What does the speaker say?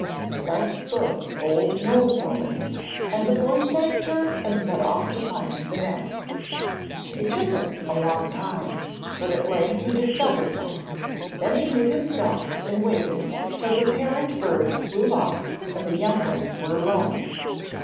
Thus spoke Old Mole woman, and the boy thanked her and set off to find the nests. It took him a long time, but at length he discovered them; then he hid himself and waited till the parent birds flew off and the young ones were alone.